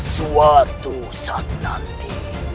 suatu saat nanti